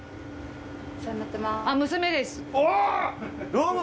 どうも。